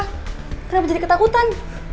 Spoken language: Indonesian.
kenapa jadi ketakutan